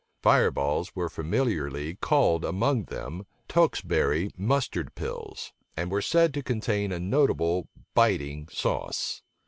Fire balls were familiarly called among them Teuxbury mustard pills; and were said to contain a notable biting sauce.